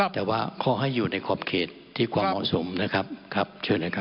แต่ว่าขอให้อยู่ในขอบเขตที่ความเหมาะสมนะครับครับเชิญนะครับ